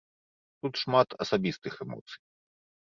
Тут шмат асабістых эмоцый.